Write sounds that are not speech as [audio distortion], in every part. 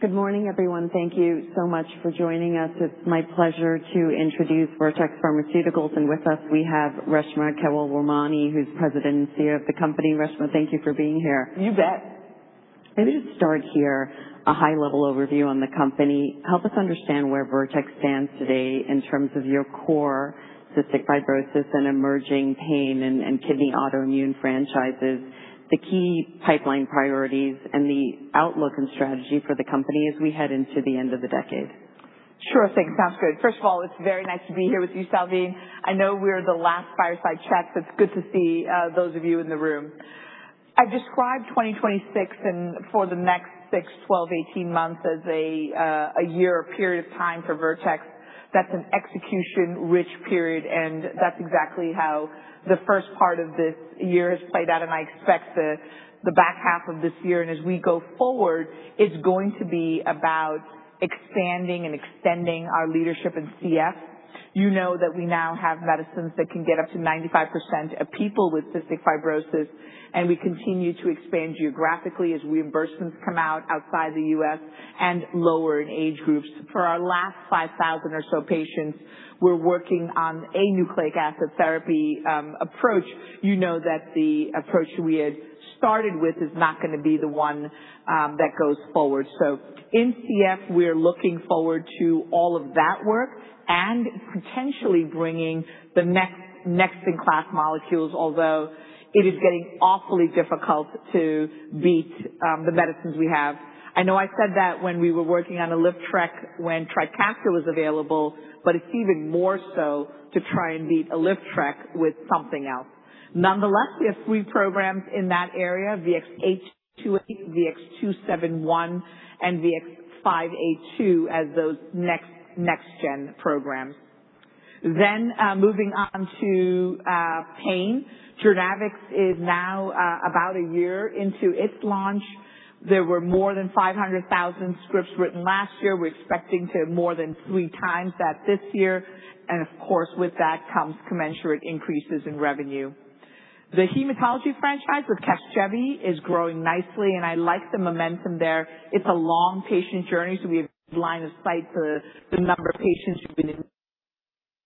Good morning, everyone. Thank you so much for joining us. It's my pleasure to introduce Vertex Pharmaceuticals, and with us we have Reshma Kewalramani, who's President and CEO of the company. Reshma, thank you for being here. You bet. Maybe to start here, a high-level overview on the company. Help us understand where Vertex stands today in terms of your core cystic fibrosis and emerging pain and kidney autoimmune franchises, the key pipeline priorities, and the outlook and strategy for the company as we head into the end of the decade. Sure thing. Sounds good. First of all, it's very nice to be here with you, Salveen. I know we're the last fireside chat, so it's good to see those of you in the room. I've described 2026 and for the next six, 12, 18 months as a year period of time for Vertex. That's an execution-rich period, and that's exactly how the first part of this year has played out. I expect the H2 of this year and as we go forward, it's going to be about expanding and extending our leadership in CF. You know that we now have medicines that can get up to 95% of people with cystic fibrosis, and we continue to expand geographically as reimbursements come out outside the U.S. and lower in age groups. For our last 5,000 or so patients, we're working on a nucleic acid therapy approach. You know that the approach we had started with is not going to be the one that goes forward. In CF, we're looking forward to all of that work and potentially bringing the next in-class molecules, although it is getting awfully difficult to beat the medicines we have. I know I said that when we were working on ALYFTREK when TRIKAFTA was available, but it's even more so to try and beat ALYFTREK with something else. Nonetheless, we have three programs in that area, VX-828, VX-271, and VX-522 as those next-gen programs. Moving on to pain. JOURNAVX is now about a year into its launch. There were more than 500,000 scripts written last year. We're expecting to more than three times that this year, and of course, with that comes commensurate increases in revenue. The hematology franchise with CASGEVY is growing nicely, and I like the momentum there. It's a long patient journey, so we have line of sight to the number of patients who've been in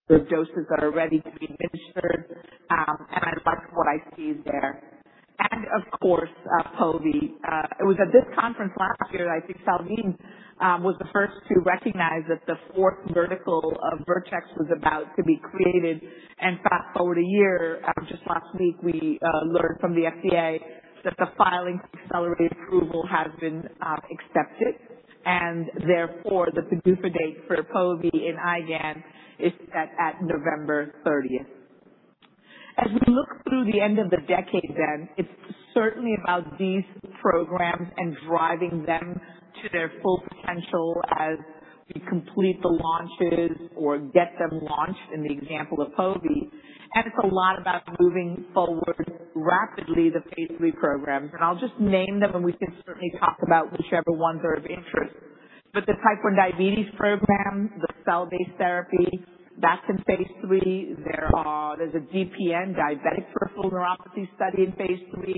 the doses that are ready to be administered. I like what I see there. Of course, POVI. It was at this conference last year, I think Salveen was the first to recognize that the fourth vertical of Vertex was about to be created. Fast-forward a year, just last week, we learned from the FDA that the filing for accelerated approval has been accepted, therefore the PDUFA date for POVI and IgAN is set at November 30th. As we look through the end of the decade then, it's certainly about these programs and driving them to their full potential as we complete the launches or get them launched in the example of POVI. It's a lot about moving forward rapidly the phase III programs. I'll just name them, and we can certainly talk about whichever ones are of interest. The type 1 diabetes program, the cell-based therapy, that's in phase III. There's a DPN, diabetic peripheral neuropathy study in phase III,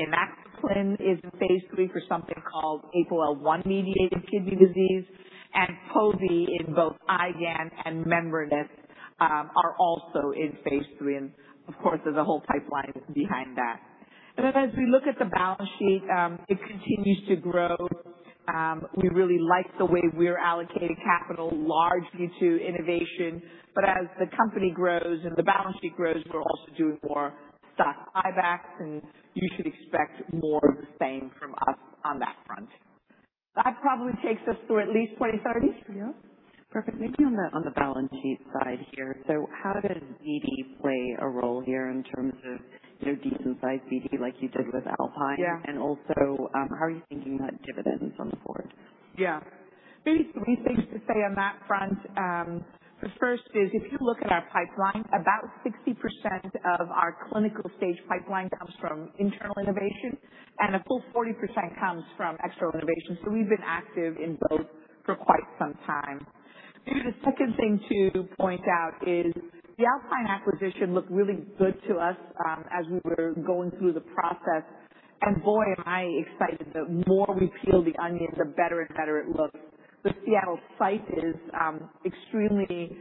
inaxaplin is in phase III for something called APOL1-mediated kidney disease, and POVI in both IgAN and membranous nephropathy are also in phase III. Of course, there's a whole pipeline behind that. Then as we look at the balance sheet, it continues to grow. We really like the way we're allocating capital largely to innovation. As the company grows and the balance sheet grows, we'll also do more stock buybacks, and you should expect more of the same from us on that front. That probably takes us through at least 2030. Yeah. Perfect. Maybe on the balance sheet side here. How does BD play a role here in terms of de-risk by BD like you did with Alpine? Yeah. Also, how are you thinking about dividends going forward? Yeah. Maybe three things to say on that front. The first is, if you look at our pipeline, about 60% of our clinical stage pipeline comes from internal innovation, and a full 40% comes from external innovation. We've been active in both for quite some time. Maybe the second thing to point out is the Alpine acquisition looked really good to us as we were going through the process, and boy, am I excited. The more we peel the onion, the better and better it looks. The Seattle site is extremely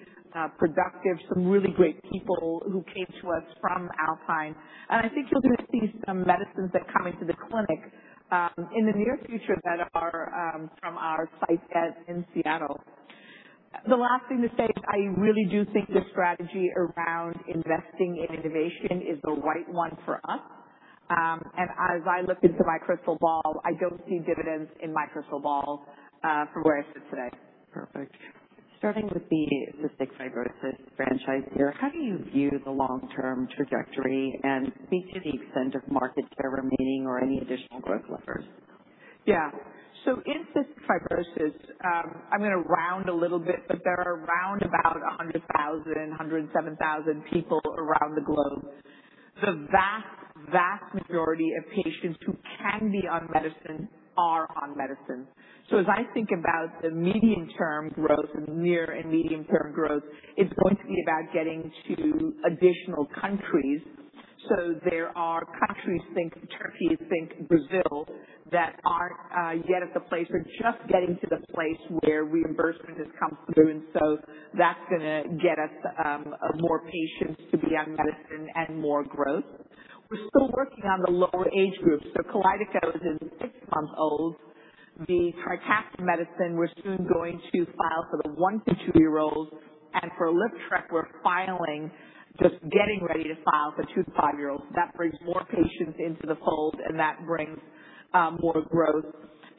productive. Some really great people who came to us from Alpine. I think you're going to see some medicines that come into the clinic in the near future that are from our site in Seattle. The last thing to say is I really do think the strategy around investing in innovation is the right one for us. As I look into my crystal ball, I don't see dividends in my crystal ball from where I sit today. Perfect. Starting with the cystic fibrosis franchise here, how do you view the long-term trajectory? Speak to the extent of market share remaining or any additional growth levers. In cystic fibrosis, I'm going to round a little bit, but there are around 100,000, 107,000 people around the globe. The vast majority of patients who can be on medicine are on medicine. As I think about the medium-term growth and the near and medium-term growth, it's going to be about getting to additional countries. There are countries, think Turkey, think Brazil, that aren't yet at the place or just getting to the place where reimbursement has come through. That's going to get us more patients to be on medicine and more growth. We're still working on the lower age groups. KALYDECO is six months old. The TRIKAFTA medicine, we're soon going to file for the one to two-year-olds. For ALYFTREK, we're filing, just getting ready to file for two to five-year-olds. That brings more patients into the fold, that brings more growth.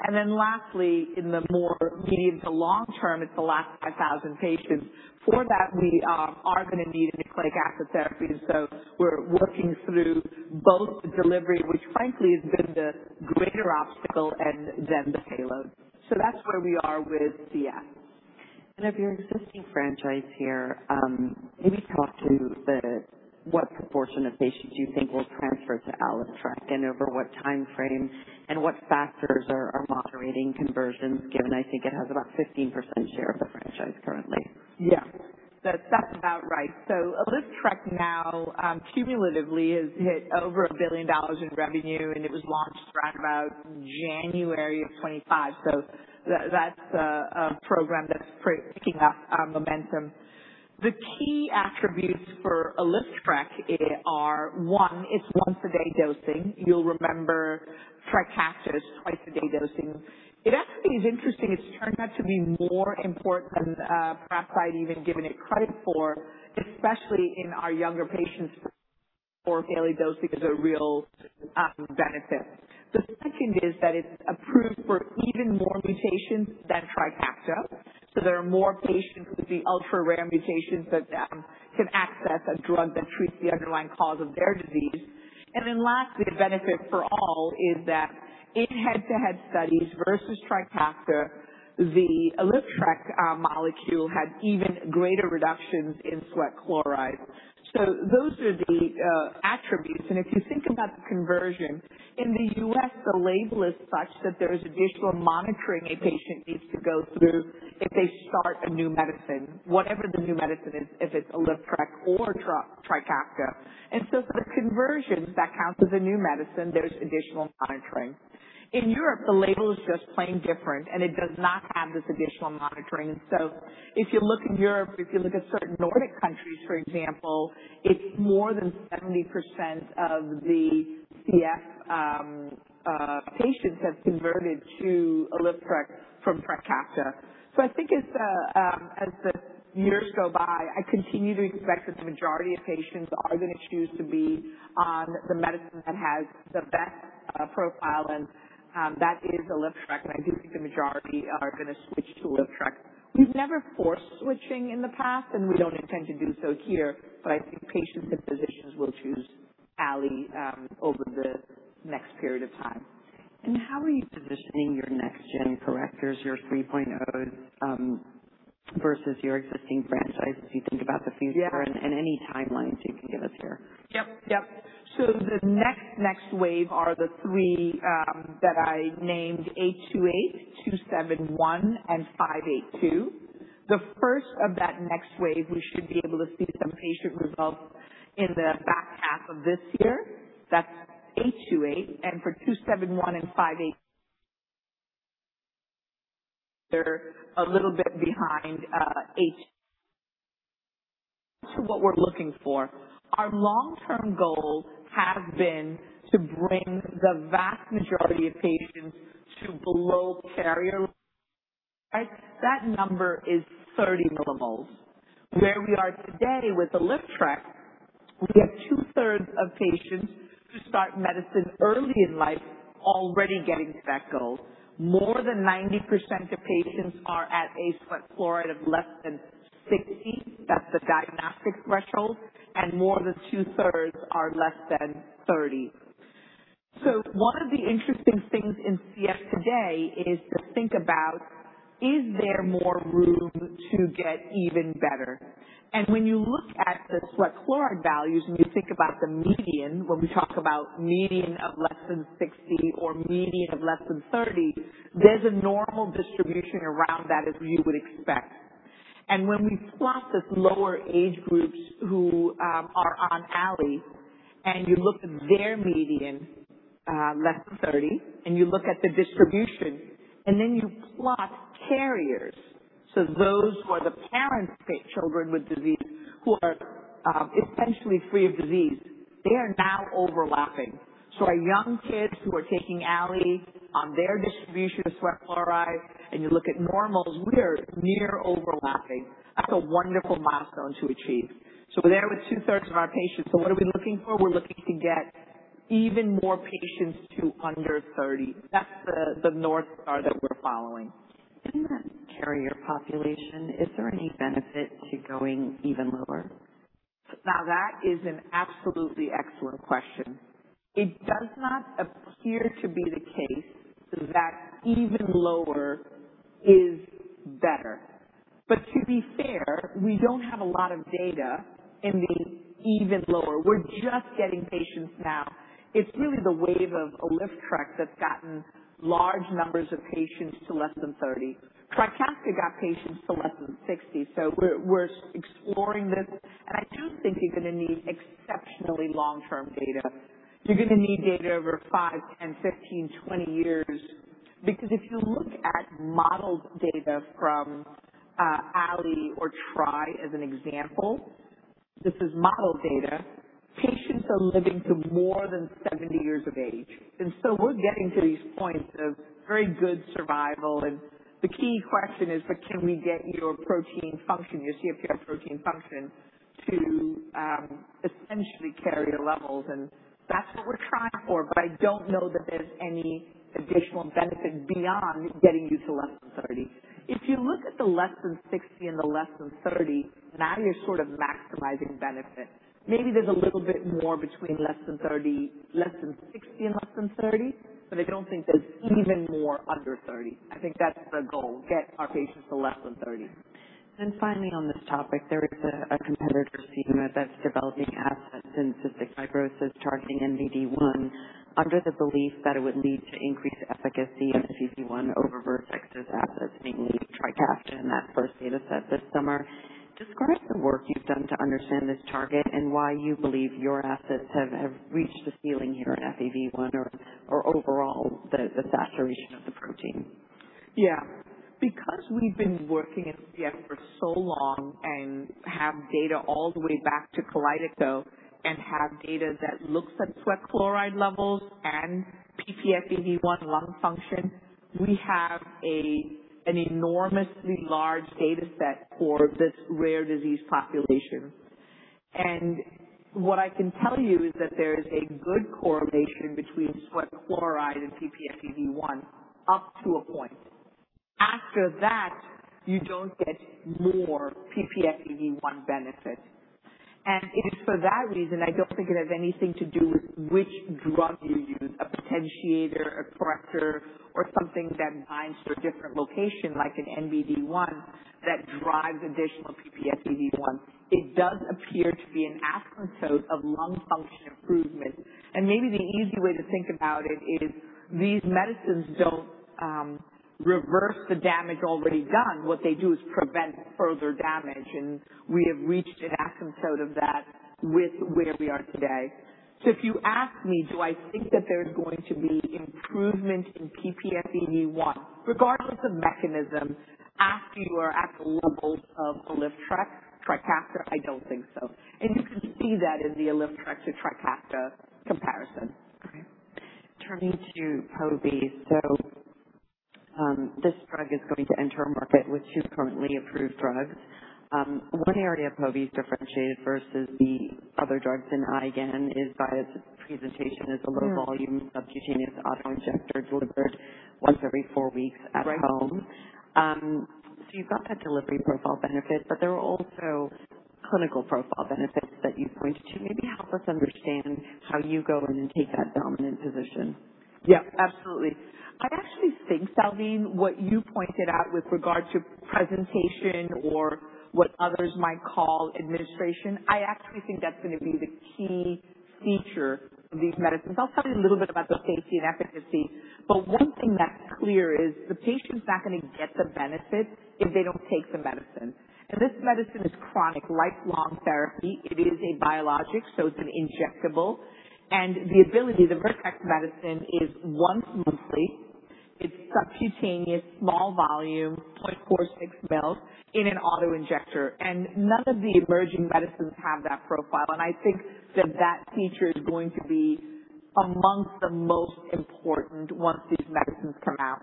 Lastly, in the more medium to long term, it's the last 5,000 patients. For that, we are going to need a nucleic acid therapy. We're working through both the delivery, which frankly has been the greater obstacle, and then the payload. That's where we are with CF. Of your existing franchise here, can you talk to what proportion of patients you think will transfer to ALYFTREK and over what time frame, and what factors are moderating conversions, given I think it has about 15% share of the franchise currently? That's about right. ALYFTREK now cumulatively has hit over $1 billion in revenue, and it was launched right about January of 2025. That's a program that's picking up momentum. The key attributes for ALYFTREK are, one, it's once-a-day dosing. You'll remember TRIKAFTA is twice-a-day dosing. It actually is interesting. It's turned out to be more important than perhaps I'd even given it credit for, especially in our younger patients, for daily dosing is a real benefit. The second is that it's approved for even more mutations than TRIKAFTA, there are more patients with the ultra-rare mutations that can access a drug that treats the underlying cause of their disease. Lastly, a benefit for all is that in head-to-head studies versus TRIKAFTA, the ALYFTREK molecule had even greater reductions in sweat chloride. Those are the attributes. If you think about the conversion, in the U.S., the label is such that there is additional monitoring a patient needs to go through if they start a new medicine, whatever the new medicine is, if it's ALYFTREK or TRIKAFTA. For the conversions, that counts as a new medicine. There's additional monitoring. In Europe, the label is just plain different, and it does not have this additional monitoring. If you look in Europe, if you look at certain Nordic countries, for example, it's more than 70% of the CF patients have converted to ALYFTREK from TRIKAFTA. I think as the years go by, I continue to expect that the majority of patients are going to choose to be on the medicine that has the best profile, and that is ALYFTREK. I do think the majority are going to switch to ALYFTREK. We've never forced switching in the past, we don't intend to do so here, I think patients and physicians will choose ALYFTREK over the next period of time. How are you positioning your next-gen correctors, your 3.0s, versus your existing franchise as you think about the future and any timelines you can give us here? Yep. The next wave are the three that I named VX-828, VX-271, and VX-582. The first of that next wave, we should be able to see some patient results in the H2 of this year. That's VX-828, and for VX-271 and VX-582, they're a little bit behind 828 to what we're looking for. Our long-term goal has been to bring the vast majority of patients to below carrier. That number is 30 mmol. Where we are today with ALYFTREK, we have 2/3 of patients who start medicine early in life already getting to that goal. More than 90% of patients are at a sweat chloride of less than 60. That's the diagnostic threshold, and more than 2/3 are less than 30. One of the interesting things in CF today is to think about, is there more room to get even better? When you look at the sweat chloride values and you think about the median, when we talk about median of less than 60 or median of less than 30, there's a normal distribution around that, as you would expect. When we plot the lower age groups who are on ALYFTREK and you look at their median, less than 30, and you look at the distribution, you plot carriers, so those who are the parents of children with disease who are essentially free of disease, they are now overlapping. Our young kids who are taking ALYFTREK on their distribution of sweat chloride, and you look at normals, we are near overlapping. That's a wonderful milestone to achieve. We're there with 2/3 of our patients. What are we looking for? We're looking to get even more patients to under 30. That's the North Star that we're following. In that carrier population, is there any benefit to going even lower? That is an absolutely excellent question. It does not appear to be the case that even lower is better. To be fair, we don't have a lot of data in the even lower. We're just getting patients now. It's really the wave of ALYFTREK that's gotten large numbers of patients to less than 30. TRIKAFTA got patients to less than 60. We're exploring this, and I do think you're going to need exceptionally long-term data. You're going to need data over 5, 10, 15, 20 years. Because if you look at model data from ALYFTREK or TRIKAFTA as an example, this is model data. Patients are living to more than 70 years of age. We're getting to these points of very good survival. The key question is, but can we get your protein function, your CFTR protein function, to essentially carry your levels? That's what we're trying for. I don't know that there's any additional benefit beyond getting you to less than 30. If you look at the less than 60 and the less than 30, now you're sort of maximizing benefit. Maybe there's a little bit more between less than 60 and less than 30, but I don't think there's even more under 30. I think that's the goal, get our patients to less than 30. Finally on this topic, there is a competitor schema that's developing assets in cystic fibrosis targeting NBD1 under the belief that it would lead to increased efficacy of CF1 over Vertex's assets, namely TRIKAFTA and that first data set this summer. Describe the work you've done to understand this target and why you believe your assets have reached the ceiling here in FEV1 or overall, the saturation of the protein. We've been working in CF for so long and have data all the way back to KALYDECO and have data that looks at sweat chloride levels and ppFEV1 lung function, we have an enormously large data set for this rare disease population. What I can tell you is that there's a good correlation between sweat chloride and ppFEV1 up to a point. After that, you don't get more ppFEV1 benefit. It is for that reason, I don't think it has anything to do with which drug you use, a potentiator, a corrector, or something that binds to a different location like an NBD1 that drives additional ppFEV1. It does appear to be an asymptote of lung function improvement. Maybe the easy way to think about it is these medicines don't reverse the damage already done. What they do is prevent further damage. We have reached an asymptote of that with where we are today. If you ask me, do I think that there's going to be improvement in ppFEV1, regardless of mechanism, after you are at the levels of ALYFTREK, TRIKAFTA? I don't think so. You can see that in the ALYFTREK to TRIKAFTA comparison. Turning to POVI. This drug is going to enter a market with two currently approved drugs. One area POVI differentiated versus the other drugs in IgAN is by its presentation as a low volume subcutaneous auto-injector delivered once every four weeks at home. Right. You've got that delivery profile benefit, there are also clinical profile benefits that you pointed to. Maybe help us understand how you go in and take that dominant position. Absolutely. I actually think, Salveen, what you pointed out with regard to presentation or what others might call administration, I actually think that's going to be the key feature of these medicines. I'll tell you a little bit about the safety and efficacy, one thing that's clear is the patient's not going to get the benefit if they don't take the medicine. This medicine is chronic lifelong therapy. It is a biologic, it's an injectable. The ability, the Vertex medicine is once monthly. It's subcutaneous, small volume, 0.46 mls in an auto-injector. None of the emerging medicines have that profile. I think that that feature is going to be amongst the most important once these medicines come out.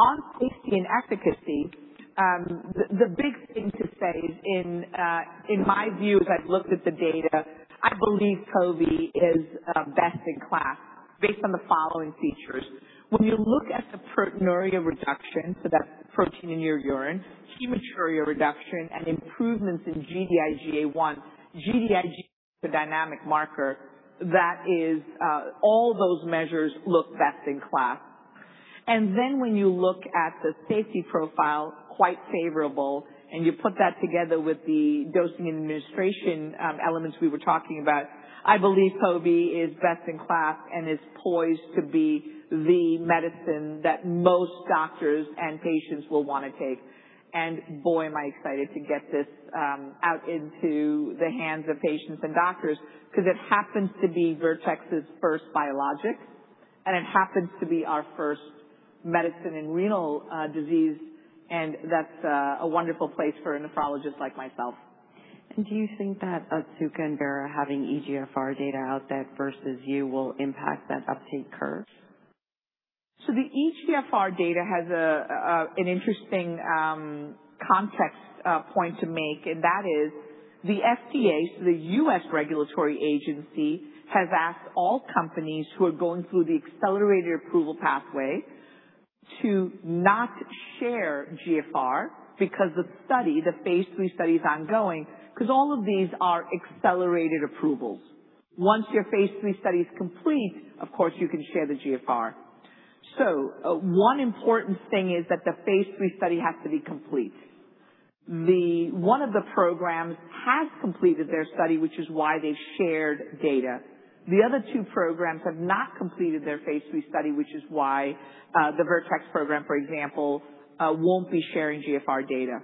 On safety and efficacy, the big thing to say in my view as I've looked at the data, I believe POVI is best in class based on the following features. When you look at the proteinuria reduction, that's protein in your urine, hematuria reduction, and improvements in Gd-IgA1. Gd-IgA1 is a dynamic marker. All those measures look best in class. When you look at the safety profile, quite favorable, you put that together with the dosing and administration elements we were talking about, I believe POVI is best in class and is poised to be the medicine that most doctors and patients will want to take. Boy, am I excited to get this out into the hands of patients and doctors because it happens to be Vertex's first biologic, and it happens to be our first medicine in renal disease, and that's a wonderful place for a nephrologist like myself. Do you think that Otsuka and Vera having eGFR data out that versus you will impact that uptake curve? The eGFR data has an interesting context point to make, and that is the FDA, the U.S. regulatory agency, has asked all companies who are going through the accelerated approval pathway to not share GFR because the study, the phase III study is ongoing, because all of these are accelerated approvals. Once your phase III study is complete, of course, you can share the GFR. One important thing is that the phase III study has to be complete. One of the programs has completed their study, which is why they shared data. The other two programs have not completed their phase III study, which is why, the Vertex program, for example, won't be sharing GFR data.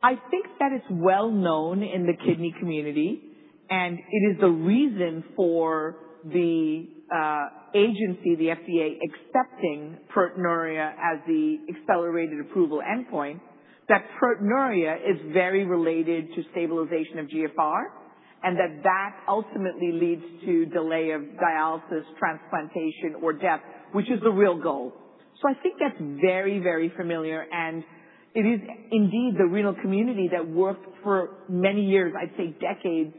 I think that it's well known in the kidney community, and it is the reason for the agency, the FDA, accepting proteinuria as the accelerated approval endpoint, that proteinuria is very related to stabilization of GFR, and that ultimately leads to delay of dialysis, transplantation, or death, which is the real goal. I think that's very, very familiar, and it is indeed the renal community that worked for many years, I'd say decades,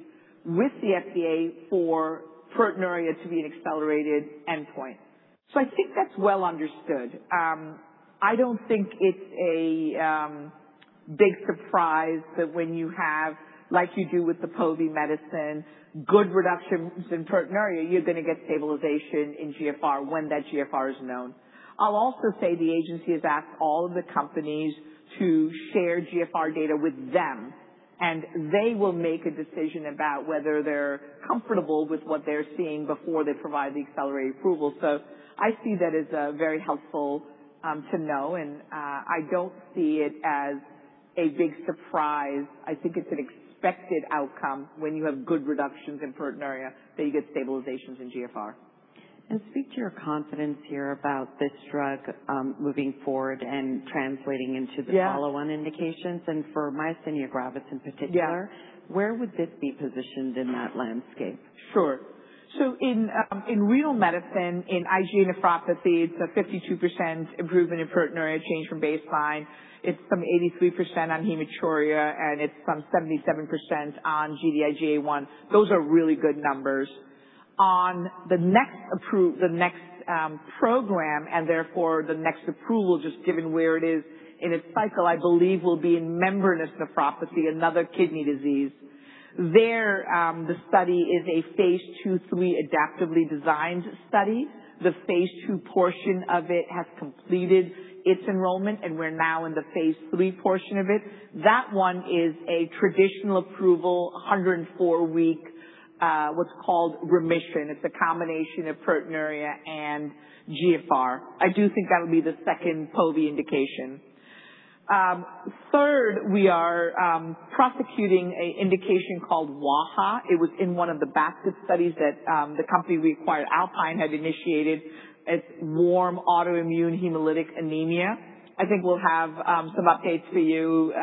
with the FDA for proteinuria to be an accelerated endpoint. I think that's well understood. I don't think it's a big surprise that when you have, like you do with the POVI medicine, good reductions in proteinuria, you're going to get stabilization in GFR when that GFR is known. I'll also say the agency has asked all of the companies to share GFR data with them. They will make a decision about whether they're comfortable with what they're seeing before they provide the accelerated approval. I see that as very helpful to know, and I don't see it as a big surprise. I think it's an expected outcome when you have good reductions in proteinuria, that you get stabilizations in GFR. Speak to your confidence here about this drug, moving forward and translating into- Yeah -the follow-on indications and for myasthenia gravis in particular- Yeah. -where would this be positioned in that landscape? Sure. In IgA nephropathy, it's a 52% improvement in proteinuria change from baseline. It's some 83% on hematuria, and it's some 77% on Gd-IgA1. Those are really good numbers. On the next program, therefore the next approval, just given where it is in its cycle, I believe will be in membranous nephropathy, another kidney disease. There, the study is a phase II/III adaptively designed study. The phase II portion of it has completed its enrollment, and we're now in the phase III portion of it. That one is a traditional approval, a 104-week, what's called remission. It's a combination of proteinuria and GFR. I do think that'll be the second POVI indication. Third, we are prosecuting an indication called wAIHA. It was in one of the basis studies that the company we acquired, Alpine, had initiated. It's warm autoimmune hemolytic anemia. I think we'll have some updates for you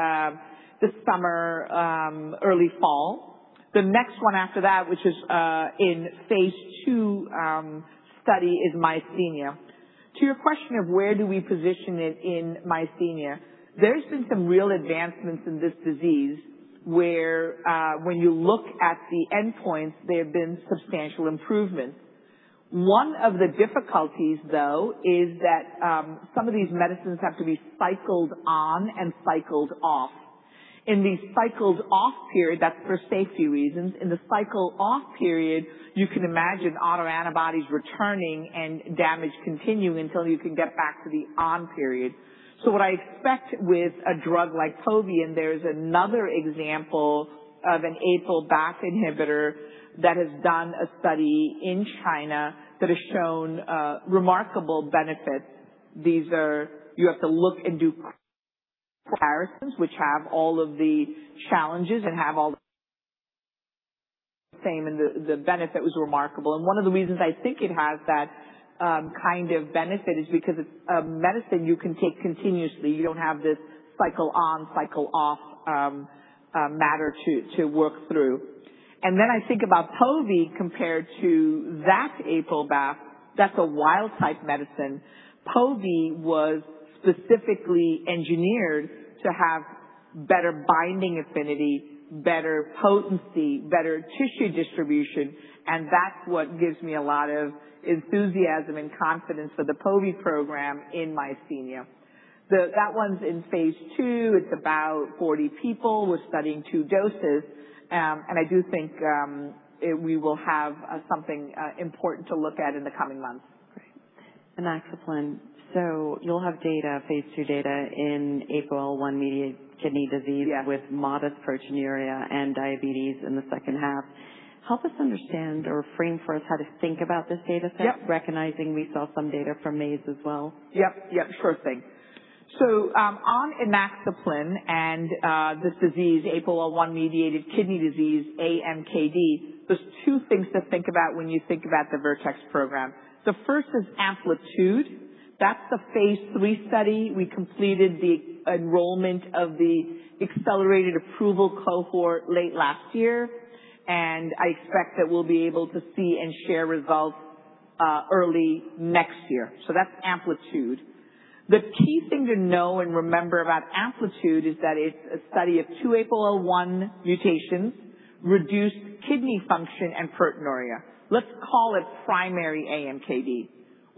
this summer, early fall. The next one after that, which is in phase II study, is myasthenia. To your question of where do we position it in myasthenia? There's been some real advancements in this disease where, when you look at the endpoints, there have been substantial improvements. One of the difficulties, though, is that some of these medicines have to be cycled on and cycled off. In the cycled-off period, that's for safety reasons. In the cycle-off period, you can imagine autoantibodies returning and damage continuing until you can get back to the on period. What I expect with a drug like POVI, and there's another example of a BAFF/APRIL inhibitor that has done a study in China that has shown remarkable benefits. You have to look and do comparisons, which have all of the challenges and have all the same, the benefit was remarkable. One of the reasons I think it has that kind of benefit is because it's a medicine you can take continuously. You don't have this cycle on, cycle off matter to work through. I think about POVI compared to that BAFF/APRIL. That's a wild-type medicine. POVI was specifically engineered to have better binding affinity, better potency, better tissue distribution, and that's what gives me a lot of enthusiasm and confidence for the POVI program in myasthenia. That one's in phase II. It's about 40 people. We're studying two doses. I do think we will have something important to look at in the coming months. Great. Inaxaplin. You'll have data, phase II data in APOL1-mediated kidney disease- Yeah -with modest proteinuria and diabetes in the H2. Help us understand or frame for us how to think about this data set- Yep -recognizing we saw some data from Maze as well. Yep. Sure thing. On inaxaplin and this disease, APOL1-mediated kidney disease, AMKD, there's two things to think about when you think about the Vertex program. The first is AMPLITUDE. That's the phase III study. We completed the enrollment of the accelerated approval cohort late last year, and I expect that we'll be able to see and share results early next year. That's AMPLITUDE. The key thing to know and remember about AMPLITUDE is that it's a study of two APOL1 mutations, reduced kidney function, and proteinuria. Let's call it primary AMKD.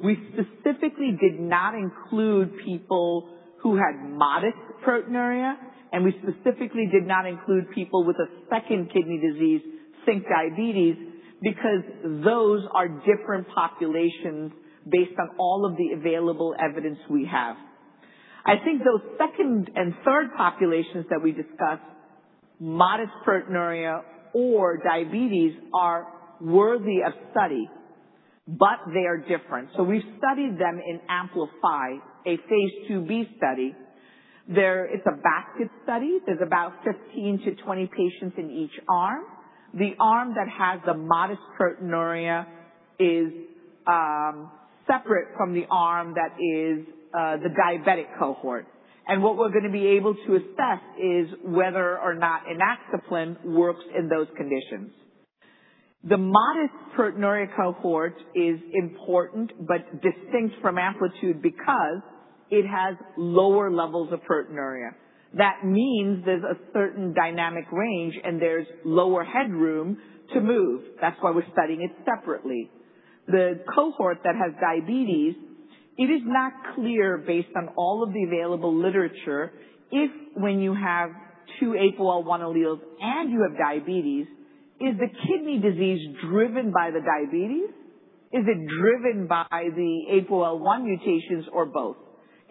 We specifically did not include people who had modest proteinuria. We specifically did not include people with a second kidney disease, think diabetes, because those are different populations based on all of the available evidence we have. I think those second and third populations that we discussed, modest proteinuria or diabetes, are worthy of study, but they are different. We studied them in AMPLIFY, a phase II-B study. It's a basket study. There's about 15-20 patients in each arm. The arm that has the modest proteinuria is separate from the arm that is the diabetic cohort. What we're going to be able to assess is whether or not inaxaplin works in those conditions. The modest proteinuria cohort is important but distinct from AMPLITUDE because it has lower levels of proteinuria. That means there's a certain dynamic range, and there's lower headroom to move. That's why we're studying it separately. The cohort that has diabetes, it is not clear, based on all of the available literature, if when you have two APOL1 alleles and you have diabetes, is the kidney disease driven by the diabetes? Is it driven by the APOL1 mutations or both?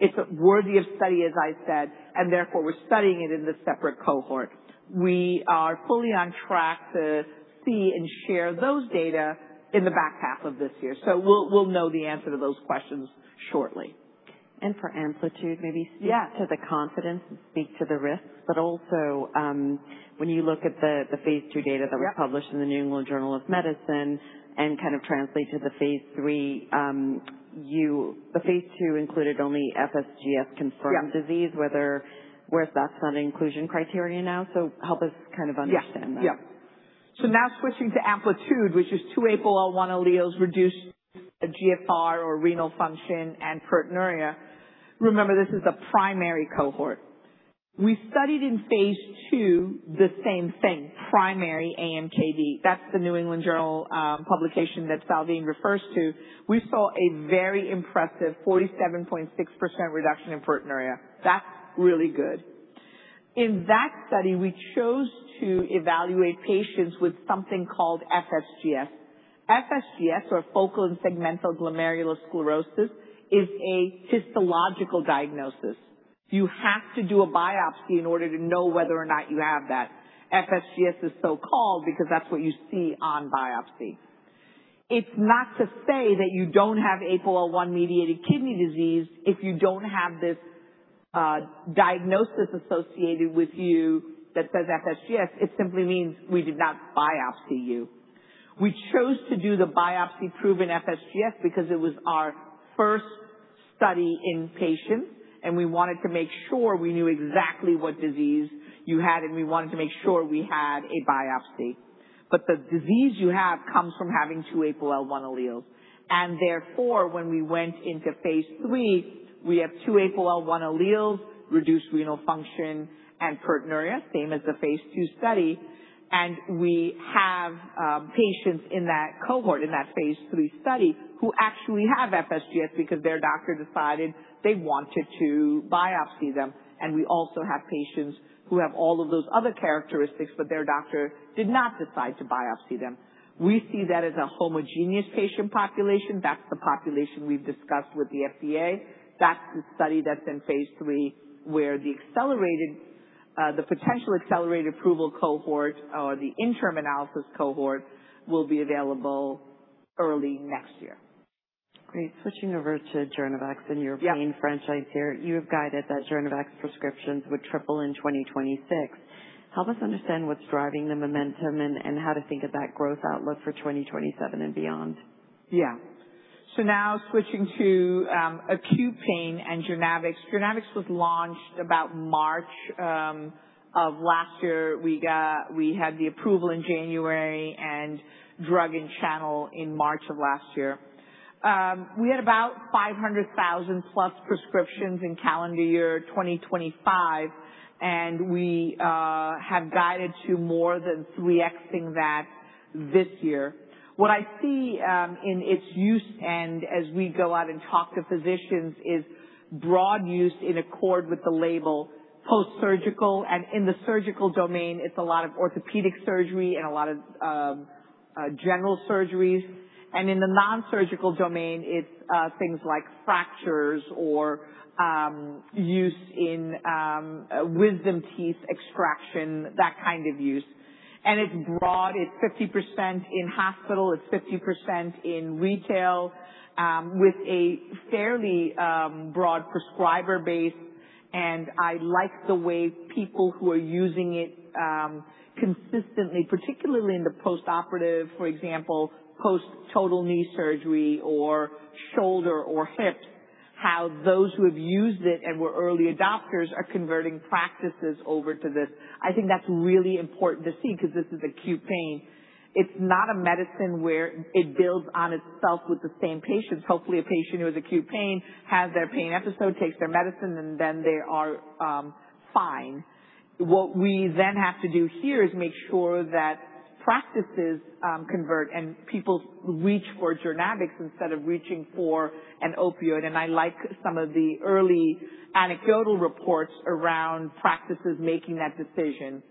It's worthy of study, as I said, and therefore, we're studying it in this separate cohort. We are fully on track to see and share those data in the H2 of this year, so we'll know the answer to those questions shortly. For AMPLITUDE, maybe- Yeah -speak to the confidence and speak to the risks, but also, when you look at the phase II data that was- Yeah -published in the "New England Journal of Medicine" and kind of translate to the phase III. The phase II included only FSGS-confirmed- Yeah -disease, whereas that's not an inclusion criteria now. Help us kind of understand that. Now switching to AMPLITUDE, which is two APOL1 alleles, reduced GFR or renal function and proteinuria. Remember, this is a primary cohort. We studied in phase II the same thing, primary AMKD. That's the "New England Journal" publication that Salveen refers to. We saw a very impressive 47.6% reduction in proteinuria. That's really good. In that study, we chose to evaluate patients with something called FSGS. FSGS, or focal segmental glomerulosclerosis, is a histological diagnosis. You have to do a biopsy in order to know whether or not you have that. FSGS is so-called because that's what you see on biopsy. It's not to say that you don't have APOL1-mediated kidney disease if you don't have this diagnosis associated with you that says FSGS. It simply means we did not biopsy you. We chose to do the biopsy-proven FSGS because it was our first study in patients, and we wanted to make sure we knew exactly what disease you had, and we wanted to make sure we had a biopsy. The disease you have comes from having two APOL1 alleles. Therefore, when we went into phase III, we have two APOL1 alleles, reduced renal function, and proteinuria, same as the phase II study. We have patients in that cohort, in that phase III study, who actually have FSGS because their doctor decided they wanted to biopsy them. We also have patients who have all of those other characteristics, but their doctor did not decide to biopsy them. We see that as a homogeneous patient population. That's the population we've discussed with the FDA. That's the study that's in phase III, where the potential accelerated approval cohort or the interim analysis cohort will be available early next year. Great. Switching over to JOURNAVX. Yeah Your pain franchise here. You have guided that JOURNAVX prescriptions would triple in 2026. Help us understand what's driving the momentum and how to think of that growth outlook for 2027 and beyond. Yeah. Now switching to acute pain and JOURNAVX. JOURNAVX was launched about March of last year. We had the approval in January and drug in channel in March of last year. We had about 500,000+ prescriptions in calendar year 2025, we have guided to more than 3x-ing that this year. What I see in its use and as we go out and talk to physicians is broad use in accord with the label post-surgical. In the surgical domain, it's a lot of orthopedic surgery and a lot of general surgeries. In the non-surgical domain, it's things like fractures or use in wisdom teeth extraction, that kind of use. It's broad. It's 50% in hospital, it's 50% in retail with a fairly broad prescriber base I like the way people who are using it consistently, particularly in the postoperative, for example, post total knee surgery or shoulder or hip, how those who have used it and were early adopters are converting practices over to this. I think that's really important to see because this is acute pain. It's not a medicine where it builds on itself with the same patients. Hopefully, a patient who has acute pain has their pain episode, takes their medicine, and then they are fine. What we then have to do here is make sure that practices convert and people reach for JOURNAVX instead of reaching for an opioid. I like some of the early anecdotal reports around practices making that decision.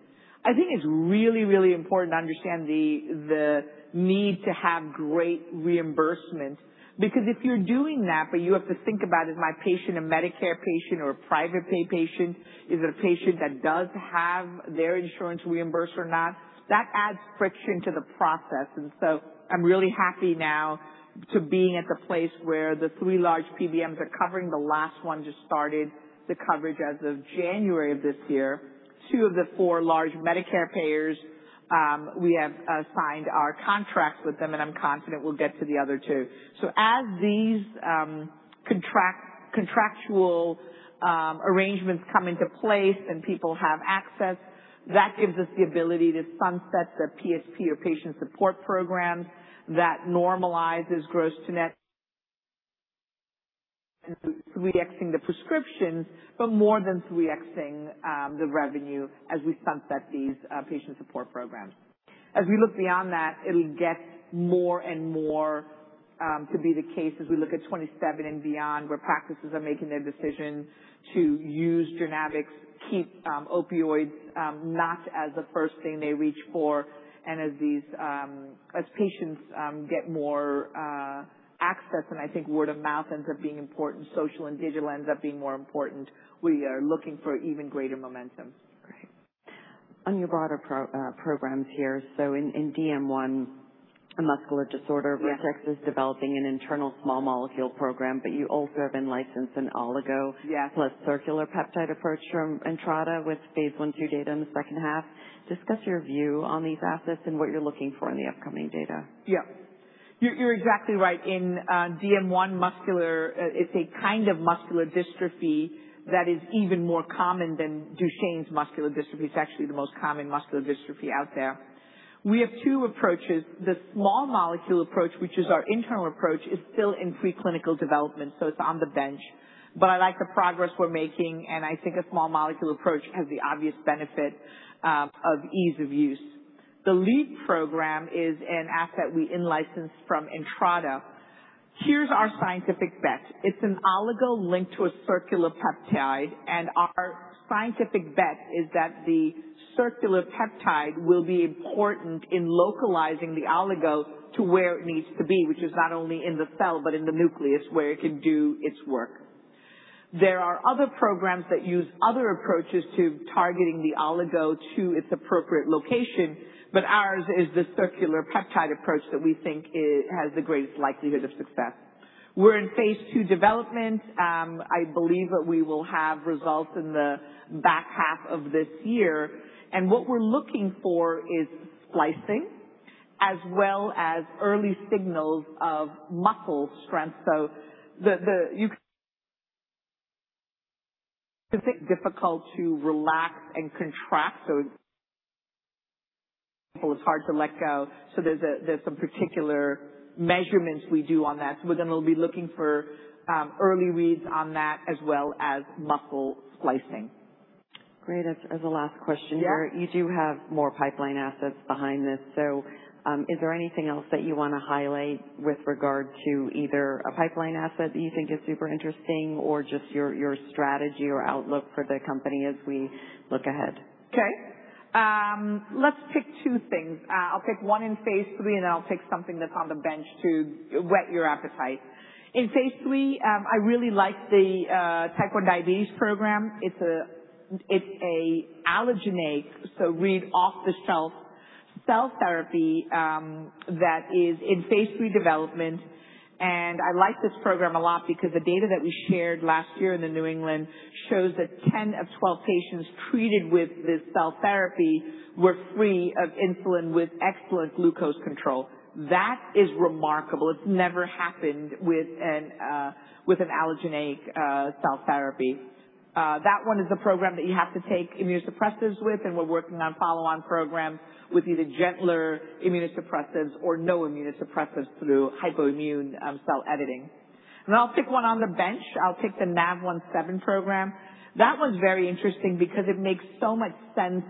I think it's really, really important to understand the need to have great reimbursement. If you're doing that, you have to think about, is my patient a Medicare patient or a private pay patient? Is it a patient that does have their insurance reimbursed or not? That adds friction to the process. I'm really happy now to being at the place where the three large PBMs are covering. The last one just started the coverage as of January of this year. Two of the four large Medicare payers, we have signed our contracts with them, and I'm confident we'll get to the other two. As these contractual arrangements come into place and people have access, that gives us the ability to sunset the PSP or patient support programs. That normalizes gross to net [audio distortion] 3x-ing the prescriptions, more than 3x-ing the revenue as we sunset these patient support programs. As we look beyond that, it'll get more and more to be the case as we look at 2027 and beyond, where practices are making their decision to use JOURNAVX, keep opioids not as the first thing they reach for. As patients get more access, and I think word of mouth ends up being important, social and digital ends up being more important. We are looking for even greater momentum. Great. On your broader programs here, in DM1, a muscular disorder- Yeah. -Vertex is developing an internal small molecule program, you also have been licensed an oligo- Yeah. -plus circular peptide approach from Entrada with phase I, II data in the H2. Discuss your view on these assets and what you're looking for in the upcoming data. Yeah. You're exactly right. In DM1 muscular, it's a kind of muscular dystrophy that is even more common than Duchenne muscular dystrophy. It's actually the most common muscular dystrophy out there. We have two approaches. The small molecule approach, which is our internal approach, is still in pre-clinical development, so it's on the bench. I like the progress we're making, and I think a small molecule approach has the obvious benefit of ease of use. The lead program is an asset we in-licensed from Entrada. Here's our scientific bet. It's an oligo linked to a circular peptide, and our scientific bet is that the circular peptide will be important in localizing the oligo to where it needs to be, which is not only in the cell, but in the nucleus, where it can do its work. There are other programs that use other approaches to targeting the oligo to its appropriate location, ours is the circular peptide approach that we think has the greatest likelihood of success. We're in phase II development. I believe that we will have results in the H2 of this year. What we're looking for is splicing as well as early signals of muscle strength. It's a bit difficult to relax and contract, it's hard to let go. There's some particular measurements we do on that. We're going to be looking for early reads on that as well as muscle splicing. Great. As a last question here. Yeah. You do have more pipeline assets behind this. Is there anything else that you want to highlight with regard to either a pipeline asset that you think is super interesting or just your strategy or outlook for the company as we look ahead? Okay. Let's pick two things. I'll pick one in phase III, then I'll pick something that's on the bench to whet your appetite. In phase III, I really like the type 1 diabetes program. It's an allogeneic, so read off the shelf, cell therapy, that is in phase III development. I like this program a lot because the data that we shared last year in the New England shows that 10 of 12 patients treated with this cell therapy were free of insulin with excellent glucose control. That is remarkable. It's never happened with an allogeneic cell therapy. That one is a program that you have to take immunosuppressants with, we're working on follow-on programs with either gentler immunosuppressants or no immunosuppressants through hypoimmune cell editing. I'll pick one on the bench. I'll pick the NaV1.7 program. That one's very interesting because it makes so much sense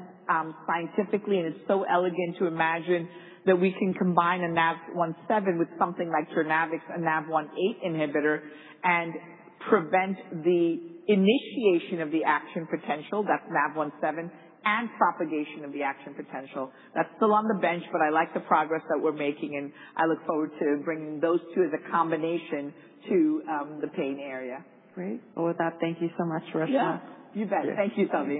scientifically, it's so elegant to imagine that we can combine a NaV1.7 with something like JOURNAVX, a NaV1.8 inhibitor, prevent the initiation of the action potential, that's NaV1.7, propagation of the action potential. That's still on the bench, I like the progress that we're making, I look forward to bringing those two as a combination to the pain area. Great. With that, thank you so much, Reshma. Yeah. You bet. Thank you, Salveen.